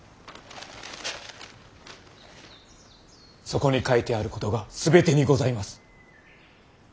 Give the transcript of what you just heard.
そこに書いてあることが全てにございます。